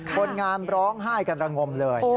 คนงานร้องไห้กันระงมเลย